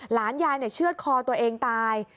หลานยายเชื่อดคอตัวเองตาย